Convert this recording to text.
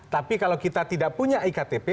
tapi kalau kita tidak punya iktp